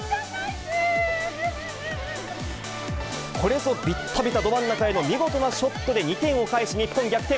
これぞ、びったびたのど真ん中への見事なショットで２点を返し、日本逆転。